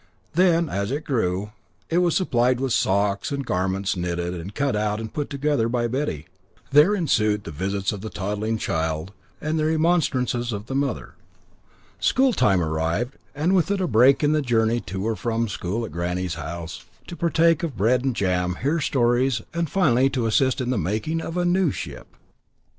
Then, as it grew, it was supplied with socks and garments knitted and cut out and put together by Betty; there ensued the visits of the toddling child, and the remonstrances of the mother. School time arrived, and with it a break in the journey to or from school at granny's house, to partake of bread and jam, hear stories, and, finally, to assist at the making of a new ship.